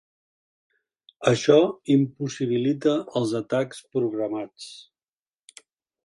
Això impossibilita els atacs programats.